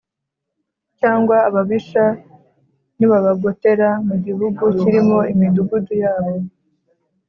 cyangwa ababisha nibabagotera mu gihugu kirimo imidugudu yabo